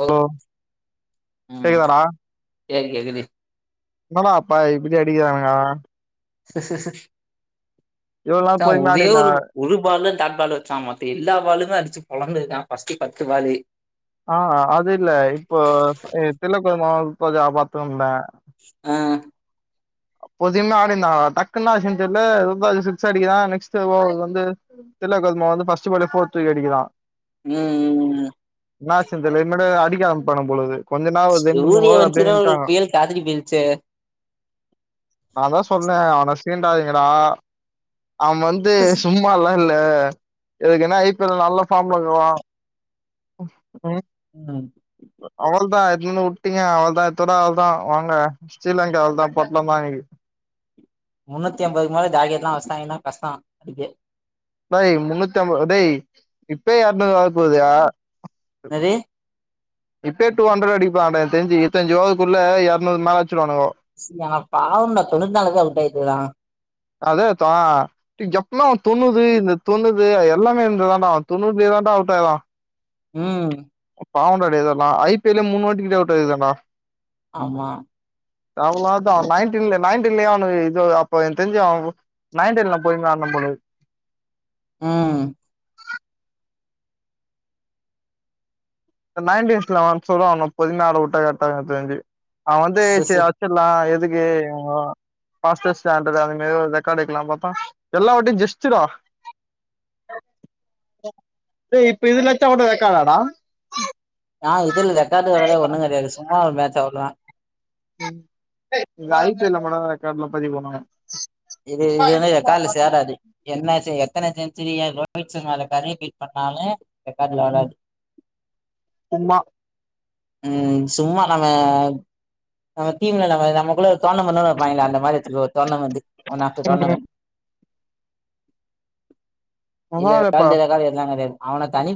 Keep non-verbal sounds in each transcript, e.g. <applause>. Hello கேக்குதாடா கே கேக்குது என்னடா அப்பா இப்படி அடிக்கிறானுங்கா சரி சரி சரி இவ்வளவு நாள் <unintelligible> பொறுமையா ஒரே ஆடிருந்த ஒரு ஒரு பாலு ட் பாலு வச்சா மத்த எல்லா பாலுமே அடிச்சு பொழந்ததுதான் பஸ்ட் பத்து பாலு ஆஹ் அது இல்ல இப்போ அ தெள்ளக்குழமா இப்போ ஜாபாத்தம்ப ஆஹ் பொதுமையா ஆடிருந்தானா டக்குன் என்னாச்சுனு தெர்ல <unintelligible> சிக்ஸ் அடிக்கறா நெக்ஸ்ட் வ வந்து தில்லா கொதுமை வந்து ஃபஸ்ட் பால்லயே ஃபோர் தூக்கி அடிக்கறா உஹம் உம் என்னா சந்தலு இனிமேதா அடிக்க ஆரம்பிப்பானுக போலக்குது சூரிய வச்சுன்னா ஒரு புயல் காத்திரி போயடுச்சு நாந்தா சொன்னே அவனை சீண்டாதீங்கடா அவ வந்து சும்மால்லாம் இல்ல எதுக்குனா ஐ பி எல் நல்ல ஃபார்ம்ல இருக்குறோ உம் அவ்வள தான் இதுலந்து விட்டீங்க அவளதா எடுத்துனு வந்து வுட்டீங்க அவளதா இத்தோட அவ்ளதா வாங்க ஸ்ரீலங்கா அவளதா பொட்டலந் தா இன்னிக்கு முன்னூத்தி அம்பதுக்கு மேல டார்கெட் லா வச்சிட்டாங்கன்னா கஷ்ட அதுக்கு நய் முன்னூத்தி அம்பது டேய் இப்பயே எரநூறு வர போகுதுயா என்னது இப்பயே டூ ஹண்ட்ரட் அடிக்க போறான் டா என்க்கு தெரிஞ்சு இருத்தஞ்சு ஓவர்குள்ள எரநூறுக்கு மேலாச்சி ச பாவம்னா தொண்ணூத் நாள்ல போய் அவுட் ஆயிருக்கறா அதேதா டே எப்பமே தொண்ணூது இந்த தொண்ணூது எல்லாமே இருந்ததான்டா தொண்ணூறு லயே தான்டா அவுட்டாயரா உம் பாவன்டா இதெல்லா ஐ பி எல் லயே மூணு வாட்டி கிட்ட அவுட் ஆயிருக்கான்டா ஆமா <unintelligible> நைன்டீன் நைன்டீன்லயே அவனு இது அப்ப என்கு தெரிஞ்சு அவ நைன்டின்லா போயர்லா அண்ண போண்ணுது ஆஹ் இந்த நைன்டீன்ஸ்ல வந்து சொல்வாங்க பொறுமையா ஆட வுட்டா கரட்டாருக்கு எனக்கு தெரிஞ்சு அவ வந்து ச ச சரி வச்சிடலா எதுக்கு <unintelligible> வெளாண்ட்டு இருக்கானுங்ளே ஒரு ரெக்கார்டு வெக்கலான் பாத்தா எல்லா வாட்டியு ஜஸ்ட் டா ஏய் இப்ப இதுல அடிச்சா கோட ரெக்கார்ட் ஆடா ஆஹ ஆஹ் இதுல ரெக்கார்டு கெடையாது ஒண்ணுங் கிடையாது சும்மா ஒரு மேட்ச் அவ்ளதா <unintelligible> ரெக்கார்ட்லா பதிவு பண்ணனு இது இது கால்ல சேராது என்ன எத்தனை செஞ்சுரிய ரோஹித் சிர்மால கதய பண்ணாலே ரெக்காட்ல வராது சும்மா உஹம் சும்மா நம்ம நம்ம தீம்ல நம்ம நம்மக்குள்ள டோர்னமெண்ட் எல்லா வெப்பாங்களே அந்த மாரி எத்துக்கோ tournament one of the tournament இதுல <unintelligible> எல்லா கெடையாது அவன தனி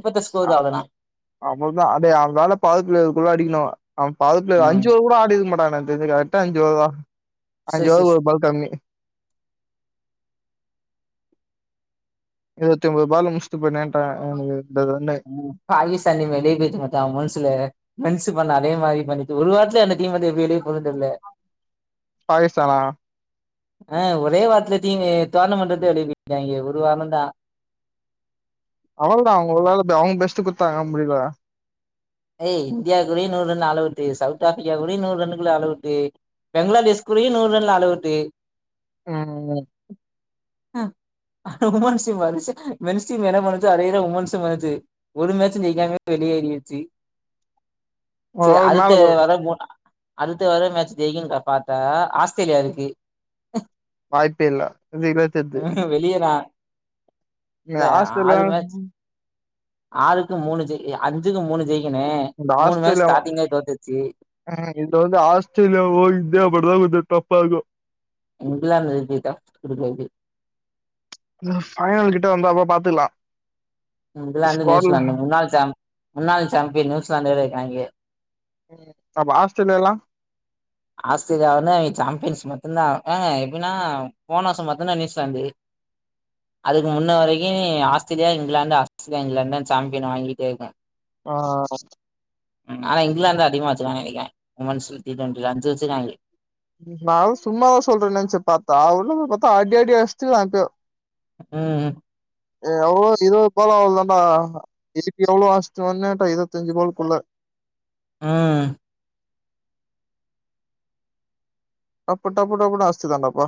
அ அவளதா அதே அதனால பாதுக்குலதுக்குள்ள அடிக்கணு பாலு பிளேயர் ம் அஞ்சு பேர் கூட ஆடிற்க மாட்டாங்க எனக்கு தெருஞ்சு கரக்டா அஞ்சு பேர்தா அஞ்சு சஸ் பால் சஸ் ஒரு பால் கம்மி இருவத்தி மூனு பால்ல முடுஸ்டு போய்டேன்றாங்க அவனுக உம் பாகிஸ்தானி வெளிய போய்ருச்சு மச்சா <unintelligible> பண்ண அதே மாரி பண்ணிட்டு ஒரு வாரத்ல அந்த டீம் வந்து எப்டி வெளிய போதுன்னு தெர்ல பாகிஸ்தானா ஆஹ் ஒரே வாரத்துலயே டீனு டோர்னமன்ட விட்டு வெளிய போய்ருகாய்ங்க ஒரு வாரம் தா அவ்ளோதான் அவுங்களால அவுங்க பெஸ்ட் குடுத்தாங்க முடில ஏய் இந்தியாக்கூடயே நூறு run all out South Africa கூடயும் நூறு ரன்னுகுள்ள ஆல் அவுட்டு பெங்களாதேஷ் கூடயும் நூறு ரன்ல ஆல் அவுட்டு உம் உம் ம் உமன்ஸு மாறுச்சு மென்ஸ் டீம் என்ன பண்ணுச்சோ அதே தான் உமன்ஸும் பண்ணுச்சு ஒரு மேட்சும் ஜெய்காமயே வெளியேறிற்சு ஒரு சரி ஓவர் மேல அதுத்து போ வர மூ அடுத்து வர மேட்ச் ஜெய்க்குனு பாத்தா ஆஸ்திரேலியா இருக்கு வாய்ப்பே இல்ல <unintelligible> வெளியேறா ஏ இல்ல ஆஸ்திரேலியா ஆறு மேட்ச் ஆறுக்கு மூணு ஜெய் அஞ்சுக்கு மூணு ஜெய் இந்த ஆஸ்திரேலியாவு இந்த வந்து ஆஸ்திரேலியாவு இந்தியாவு மட்டும்தான் <unintelligible> போகு இங்கிலாந்து வெளில போய்டா எனக்கு ஓகே பைனல் கிட்ட வந்தா அப்ப பாத்துக்கலாம் இங்குலாந்து நியூசிலாந்து முன்னாள் சாம் முன்னாள் சாம்பியன் நியூசிலாந்து வேற இருக்காய்ங்க அப்ப ஆஸ்திரேலியாலாம் ஆஸ்திரேலியா வந்து அவிங்க சாம்பியன்ஸ் மட்டும்தான் ஆகு ஆஹா எப்டின்னா போன வர்சம் மட்டும்தான் நியூசிலாந்து அதுக்கு முன்ன வரைக்கும் Australia England Australia England champion வாங்கிட்டே இருக்கும் ஆ ஆனா இங்கிலாந்து தான் அதிகமா வச்சுறுக்காங்கனு நெனைக்கிறே உமன்ஸ் டொன்டி டொன்டி இதுல அஞ்சு வச்சுறுக்காய்க நானும் சும்மாதான் சொல்றேன் நெனைச்சு பாத்தா அவளுக பாத்தா அடி அடின்னு அடுஷ்டு <unintelligible> உம் உம் எவ்ளோ இருவது பாலோ அவ்ளோதான்டா <unintelligible> இருவத்தஞ்சு பாலுக்குள்ள உம் டப்பு டப்பு டப்புனு அடுஸ்டுதாண்டாப்பா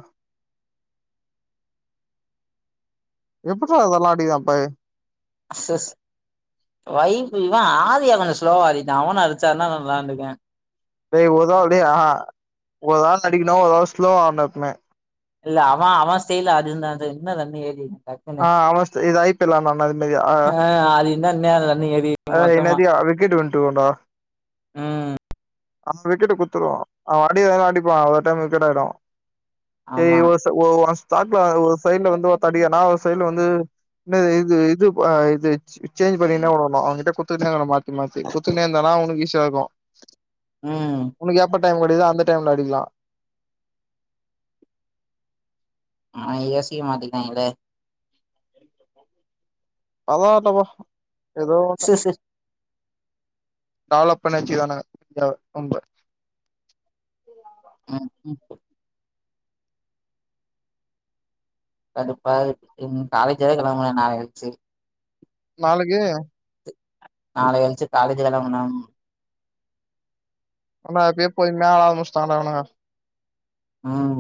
எப்புற்றா இதல்லாம் அடிக்கிறா எப்பா ஏ <unintelligible> இவன் ஆதியா கொஞ்சோ ஸ்லோவா ஆடிட்டான் அவனு அடுச்சான்னா நல்லா இருந்துர்க்கு டேய் ஒராள் டேய் ஆஹா ஒரு ஆள் அடிக்கணும் ஒரு ஆள் ஸ்லோவா ஆடனும் எப்போமே இல்ல அவன் அவன் செய்யல அது என்னாது என்னாது <unintelligible> ஆஹ் ஆமஸ்தே இது ஐ பி எல் ஆடுனான்ல அது மாரியா ஆ ஆஹ் <unintelligible> அ மொத்தமா இன்னாத்திகு விக்கெட்டு வின்ருக்குண்டா ம் அம் விக்கெட்டு குத்துருவா அவ அடி அ அடிப்பா ஒரு டைம் விக்கெட் ஆயிடு ஆமா <unintelligible> பாக்லா ஒரு சைட்ல வந்து ஒருத்த அடிக்கானா ஒரு சைட்ல வந்து ந இது இது ப இது ச் சேஞ்ச் பண்ணி என்னா பண் ம அவங்கிட்ட குத்துகுனே இகுனு மாத்தி மாத்தி குத்துகுனே இந்தானா அவுனுக்கு ஈசியாருக்கு உம் டைம் கெடகிதோ அந்த டைம்ல அடிக்லா ஆ ஏ சி ய மாத்திடாய்ங்களே அதாண்டவா எதோ ஒன்னு டெவலப் பண்ணி வெச்சிகிறானுங்க யாவ ரொம்ப ம் கடுப்பா இருக்குதுன் காலேஜ் வேற வெக்கிறாங்களா நாள கழிச்சு நாளக்கி நாளை கழிச்சு காலேஜ் தாண்டா போணும் ஆனா எப்பியே போய்ருந்தா ஆல்மோஸ்ட் ஆனவனுங்க ம்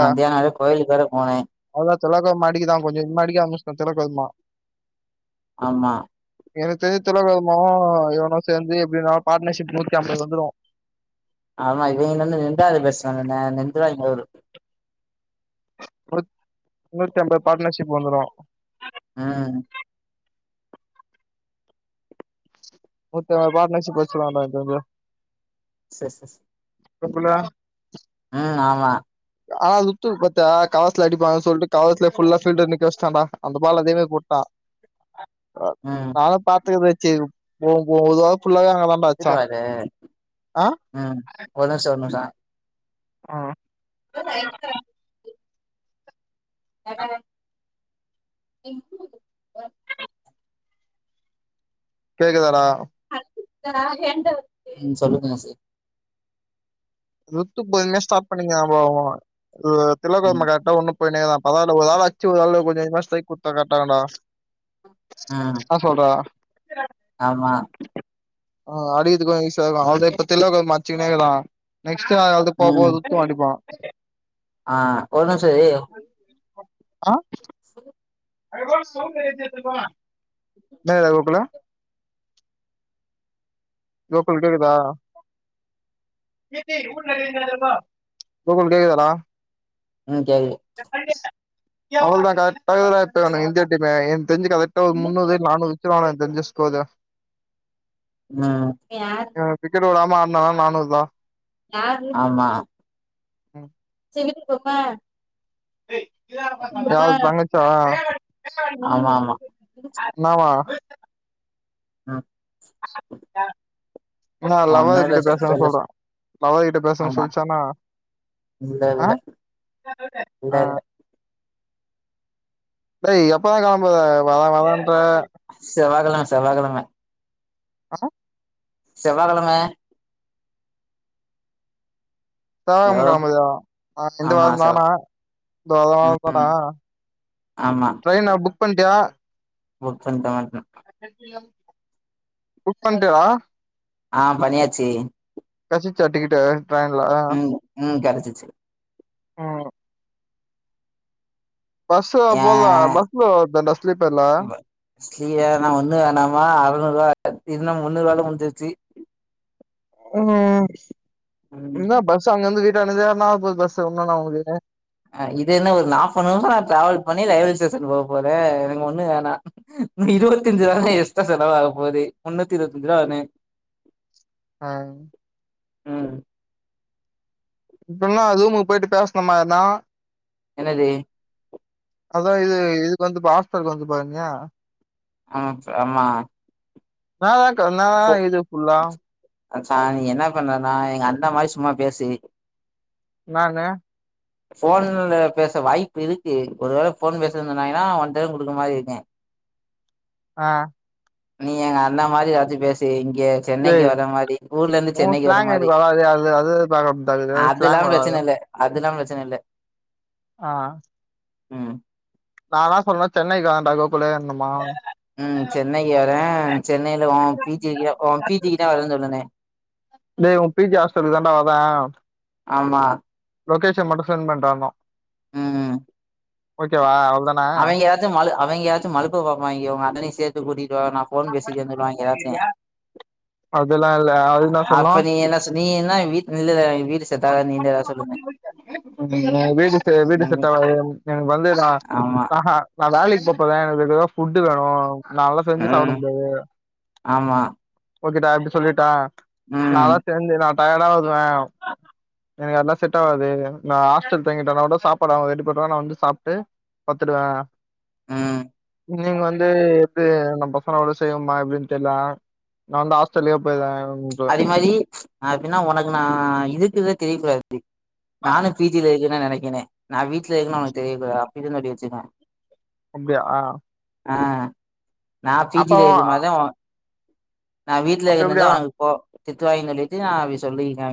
மத்தியான வேற கோயிலு வேற போனே அதா திலக் வர்மா அடிக்குதா கொஞ் கொஞ்சமா அடிக்கா திலக் வர்மா ஆமா எனக்கு தெரிஞ் திலக்வர்மாவு இவனு சேந்து எப்டியு ந பாட்னர்ஷிப் நூத்தி அம்பது வந்துரு ஆமா இவிங்க நின்னு நிண்டா அது <unintelligible> த நின்றுவாய்க நூறு முன்னூத்தி அம்பது பாட்னர்ஷிப் வந்துரு ம் நூத்த <unintelligible> பாட்னர்ஷிப் வெச்சிருவாண்டா இந்த இது செர் செஸ் தப்புல்ல ம் ஆமா ஆ லுத்துக்கு பத்து அ களத்ல அடிப்பாங்கன் சொல்ட்டு களத்ல ஃபுல்லா ஃபீல்டர் நிக்க வெச்ட்டாண்டா அந்த பால் அதே மேரி போட்டா அ ம் நானு பாத்துக்கது சேரி போம் <unintelligible> <unintelligible> ம் ஒரு நிம்ஷோ ஒரு நிம்ஷோ ம் <inaudible> கேக்குதாடா ம் சொல்லுங்க வாசு <unintelligible> ஸ்டாட் பண்ணி <unintelligible> து ம் திலக்வர்மா‌ கரெக்டா ஒன்னு போய்னேதா அதாண்டா ஒரு ஆள் அச்சு ஒரு ஆள் கொஞ்ச கொஞ்சமா ஸ்ட்ரைக் குத்தா கரெக்டா இருக்குண்டா ம் ஆ சொல்றா ஆமா ஆஹ் அடிதுக்குஞ்ச அவ இப்ப தில மச்சுனேக்கலாம் நெக்ஸ்ட் அது போதும்ண் அடிப்பான் ஆஹ் ஒரு நிமிஷம் ஏய் ஆஹ்ம் செரி என்னருக்கு அதுக்குள்ள கோகுல் கேக்குதா கோகுல் கேக்குதடா ம் கேக்குது அவளதான் கரெக்டாகப்பும் இந்திய டீம் தெஞ்சு கெட்ட மு முன்நூறு நானும் வெச்சருவே தெஞ்சு போதா ஆஹ்ம் நான் நான்நூறு தான் ஆமா போத்மா யாரு தங்கச்சா ஆமா ஆமா என்னவான் ஆஹ்ம் ஆ லவ்வரு ஒன்னு இல்ல கிட்ட சொ பேசன்னு சொல்லு சொல்றன் லவரு கிட்ட பேசன்னு ஆமா சொல்லிச்சன்னா இல்ல ஆஹ இல்ல இல்ல ஆஹ்ம் இல்ல ய் எப்பதான் கிளம்போத வர வரான்னு அ கலாம் செவ்வாய்கெழம ஹலோ செவ்வாய்கெழம ஹலோ செவ்வாய்கிழம்பரிய இந்த ஆமா வாரம் செவ் தானா இந்த வாரம் வாரம் ம் தானா ட்ரெயின் நா புக் பண்ணிட்டியா போச்சன் த <unintelligible> புக் பண்டியாடா ஆஹ் பன்னியாச்சு கேட்டாசிச்சா டிக்கெட்டு ட்ரைன்ல அ வெச்சு உம் பஸ் ஏ போத பஸிளோதான்டா ஸ்லீப்பர்ல ஸ்கிலயரா ஒண்ணு வேணாமா அறநூறு ரூபா இதுன்னா முன்னூறுவால முடுஞ்சிச்சு உம் என்ன பஸ் அங்கருந்தது <unintelligible> ஆஹ் இது என்ன ஒரு நாப்பனவரா டிராவல் பண்ணி ரயில்வே ஸ்டேஷன் போ போறே எனக்கு ஒன்னு வேணா இன்னு இருவத்தஞ்சு <unintelligible> யூஸ் எச்சா செலவாக போது முன்னூத்தி இருவத்தஞ்சு ரூவா வருனு ஆஹ் உம் இப்பனா ரூமுக்கு போயிட்டு பேசன மாரி தா என்னது அதா இது இதுக்கு வந்து பா ஹாஸ்டல்க்கு வந்து பாருங்கியா ஆஹ் ஆமா நா தா <unintelligible> ஃபோ இது ஃபுல்லா மச்சா நீ என்ன பண்றனா எங்க அந்த வாய்ஸ் சும்மா பேசு நானு ஃபோன்ல பேச வாய்ப்பு இருக்கு ஒரு வேல ஃபோன் பேசிட்ருந்தாய்ங்கன்னா உன்டே குடுக்கற மாரி இருங்கு ஆஹ் நீ எங்க அண்ணா மாரி எல்லார்திட்டயு பேசு இ இங்க சென்னைக்கு டேய் வர மாரி ஊர்ல இருந்து உ சென்னைக்கு வர ஸ்லாங் மாரி எனக்கு வராது அது அது பாக்கதா அதுல்லா ஸ்லாங் வராது பிரச்சனை இல்ல அதல்லா பிரச்சன இல்ல ஆஹ் உம் நா என்ன சொல்றன் சென்னை <unintelligible> உம் சென்னைக்கு வரே சென்னையில உ பீச் ஏரியா உ பிச்சிக்கு தா <unintelligible> <unintelligible> டேய் உ பி ஜி ஹாஸ்டலுக்கு தாண்டா வரே ஆமா லொக்கேஷன் மட்டு சென் பண்றா ஆ உம் ஓகே வா அவங்க எதாச்சி மழு அவிங்க ஏதாச்சு மழுப்ப பாப்பாய்ங்க உ அண்ணனையு சேத்து கூட்டி வா நா ஃபோன் பேசிக்கன் சொல்லுவாய்ங்க ஏதாச்சே அதெல்லா இல்ல அது இன்ன சொல்லு என்ன சொ நீ என்ன வீட் இல்ல வீடு செட் ஆகாது நீங்க ஏதாவது சொல்லுங்க அ வீடு செ வீடு ம் செட்டாவாது எனக்கு வந்து நா ஆமா ஆஹா நா வேலைக்கு போ போறே எனக்கு இப்ப ஏதாது ஃபுட் வேணு கால்ல செஞ்சு சாப்பிட ம் முடியாது ஆமா ஓகேடா இப்டி சொல்லிட்டா ம் நாலா சேர்ந்தே தா டயர்ட ஆகுவ எனக் அதல்லா செ் ஆவாது நா ஹாஸ்டல் தங்கிட்டோ மட்டு கசாப்பாடு அவங்க ரெடி பன்னாவாங்க நா வந்து சாப்பிட்டு பத்துடுவே ஆஹ நீங்க வந்து எது நம் பசனோட செய்வோம்மா எப்படின்னு தெரியலா நா வந் ஹாஸ்டல் போயிவா அதே மாதி அப்படின்னா உனக் நா இதுக்கு தெரியகுடாது நானு பிஜிலா இருக் நா நினைக்கிறே நா வீட்டுல இரு அவனக்கு தெரியாகூடாது அப்படி இரு சொய்சிவா அப்படியா ஆஹ ஆஹ நா பிஜி இதுமதா நா வீட்டுல அப்ப இருந்த எப்டியா வாழ தித்துவாய் சொல்லிட்டு அவி சொல்லிருங்கா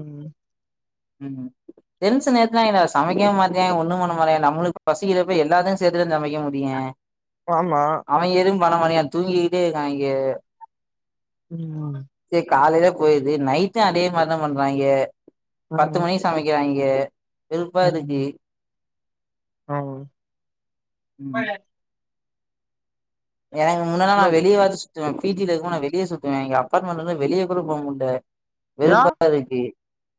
உம் உம் டென்சன் நேத்துலா என சமைக்கவே மாட்டா ஒண்ணு பண்ணமாட்டா நம்மளுக்கு பசிக்கிறப்ப எல்லாத்தையு சேர்த்துதா சமைக்க முடியு ஆமா அவ எதுபான்னாமாட்டிங்க தூங்கிட்டே இருக்காங்க உஹம் காலயில போயிருது நைட்டுஅதே மர்தா பண்றாங்க பத்து ம் மணிக் சமக்கிறங் ஏ. வேருப்பாரூக்கு ம் ம் உம். எனக்கு முன்னல்லா நா வெளிய வாது சுத்துவ பீஜ்ல இருக்கும் போது நா வெளியே சுத் எங்க அப்பார்ட்மெண்ட் இருந்து வெளியே கூட போ முடல ஏ விருப்பதா இருக்கு.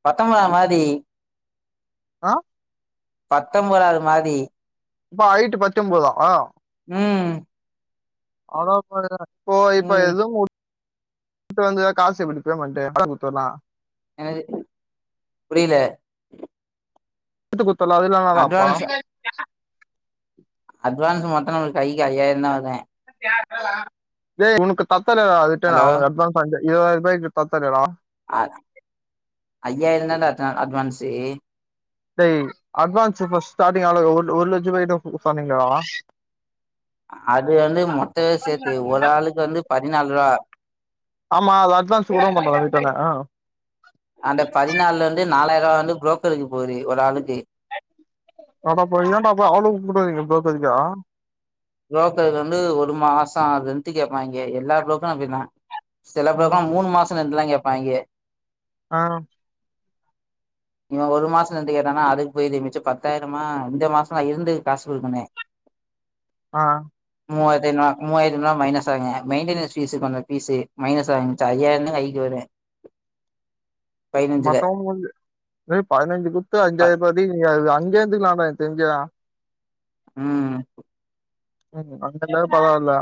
பத்தொன்பதவாது மாடி. ஆஹ. பத்தொன்பதவாது மாடி. அப்போ ஹைட் பாத்தம்போதா உம். அவ்ளோ போ <unintelligible> ஓ இப்ப ம் ஏது கு வ வந்து காசு எப்படி பேமெண்ட் அத கொத்துடலா எனது புரியல. <unintelligible> ல அததுலன தாப்பா அட்வான்ஸ் <unintelligible> அட்வான்ஸ் மட்டும் நம்மளுக்கு கைக்கு ஐாயிரம் தான் வருதான். <unintelligible> யா உனக்குத் தப் <unintelligible> அதுட்டே ஹலோ அவனுக்கு அட்வான்ஸ் ண்டே இருபதாயிரரூபாய்க்கு பத்தாதேதன் ஆ ஐயாயிரம் தாண்ட <unintelligible> அட்வான்ஸ். டேய் அட்வான்ஸ் ஃபர்ஸ்ட் ஸ்டார்டிங் அவு ஒரு லட்சம் ரூபாய்கிட்ட சொன்னீங்களேடா அது வந்து மொட்டவே சேர்த்து ஒரு ஆளுக்கு வந்து ப என்னல்லற ஆமா அத அட்வான்ஸ் கூட மாட்டா வீட்டாண்ட ஆ <unintelligible> நாலாயிரம் ரூபா வந்து புரோக்கருக்கு போது ஒரு ஆளுக்கு. ஆடா போ ஏண்டா அவ்ளவு கூடுக் புரோக்கர் கே புரோக்கர் வந்து ஒரு மாசம் அது இருந்து ரெண்ட் கேட்பா இங்க எல்லா புரோக்கர் அப்படி தான். சில ம் பேருக்காம் மூண மாசம் <unintelligible> கேட்பாங்க ஆ இவன் ஒரு மாசல இருந்து கேட்டானா அதுக்கு போயிரும் மிச்சு பத்தாயிரமா இந்த மாசம் நா இருந்து காசு கொடுக்கனே ஆ மூவாயிரத்து ஐந்நூறு மூவாயிரம் ரூபாய் மைனஸ் ஆங்க மெயின்டனன்ஸ் பீஸ கொஞ்சம் பீஸ்சு மைனஸ் ஆயிடுச்சு ஐயாயிரதான் கைக்கு வரும். மத்தவஞ்சு வெறு பதின ஞ்சாய குடுத்து ப அஞ்சாயிர பதி அங்கே இருந்துக்கலமே. தெஞ்ச ம் ம் அங்க எல்ல பரவாயல.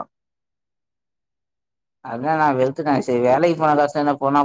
அதா நான் வெழுத்துட்டேன் சரி வேலைக்கு போனதாசம் என்ன போனா